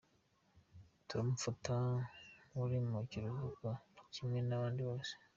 Turamufata nk’uri mu kiruhuko kimwe n’abandi bose.